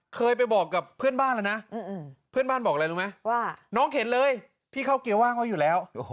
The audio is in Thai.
เคยไปบอกกับเพื่อนบ้านแล้วนะ